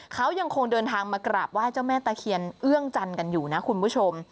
เขายังคงเดินทางมากราบไหว้เจ้าแม่ตะเคียนเอื้องจันทร์กันอยู่นะคุณผู้ชม